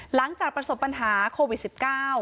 หลังจากประสบปัญหาโควิด๑๙